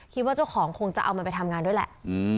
คิดว่าเจ้าของคงจะเอามันไปทำงานด้วยแหละ